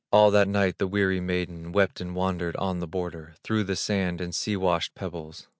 All that night the weary maiden Wept and wandered on the border Through the sand and sea washed pebbles.